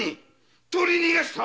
取り逃がした。